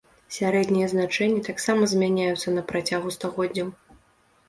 Сярэднія значэнні таксама змяняюцца на працягу стагоддзяў.